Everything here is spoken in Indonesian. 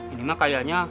ini mah kayaknya